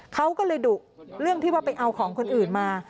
เขาก็เลยดุเรื่องที่ว่าไปเอาของคนอื่นมา